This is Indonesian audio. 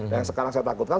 yang sekarang saya takutkan